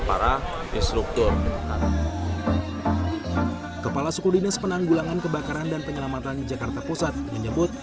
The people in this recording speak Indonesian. para instruktur kepala suku dinas penanggulangan kebakaran dan penyelamatan jakarta pusat menyebut